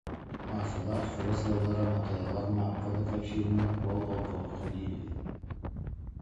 Машалаах чугас ыаллара Матайар Мааппа да кэпсииринэн, уол холбоһуохха диир үһү